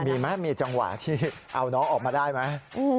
มีไหมมีจังหวะที่เอาน้องออกมาได้ไหม